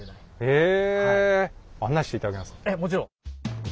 ええもちろん。